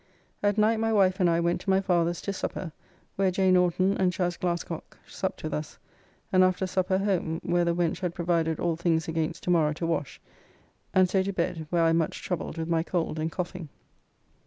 At night my wife and I went to my father's to supper, where J. Norton and Chas. Glascocke supt with us, and after supper home, where the wench had provided all things against tomorrow to wash, and so to bed, where I much troubled with my cold and coughing.